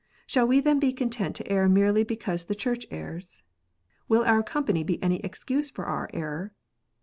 Shall we then be content to err merely because the Church errs ^ Will our company be any excuse for our error